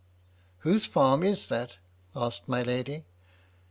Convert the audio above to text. " Whose farm is that?" asked my lady.